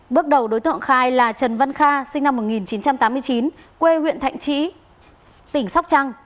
bước đầu đối tượng khai là trần văn kha sinh năm một nghìn chín trăm tám mươi chín quê huyện thạnh trị tỉnh sóc trăng